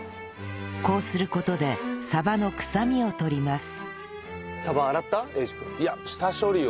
こうする事でサバの臭みをとります